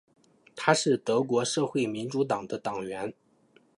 他是德国社会民主党的党员。